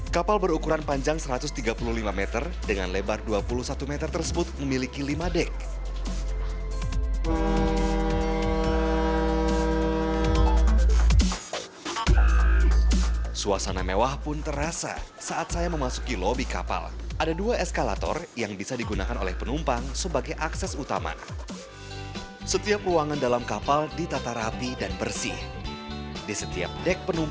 kapal berukuran panjang satu ratus tiga puluh lima meter dengan lebar dua puluh satu meter tersebut memiliki lima dek